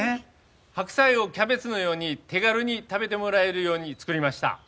白菜をキャベツのように手軽に食べてもらえるように作りました。